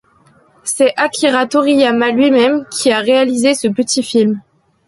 C'est Akira Toriyama lui-même qui a réalisé ce petit film.